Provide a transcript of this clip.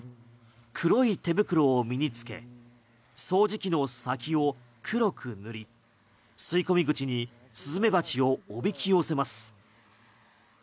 黒い手袋を身につけ掃除機の先を黒く塗り吸い込み口にスズメバチをおびき寄せます。